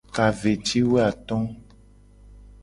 Ka ve ci wo ato.